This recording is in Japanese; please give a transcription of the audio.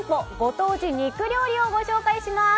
ご当地肉料理をご紹介します。